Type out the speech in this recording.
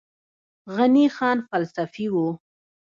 غني خان فلسفي و